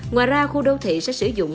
ngoài ra khu đô thị sẽ sử dụng